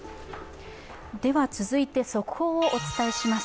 続いて速報をお伝えします。